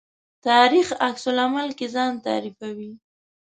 تاریخ عکس العمل کې ځان تعریفوي.